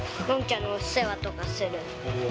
ノンちゃんのお世話とかする。